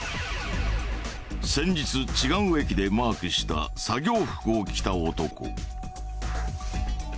先日違う駅でマークした作業服を着た男。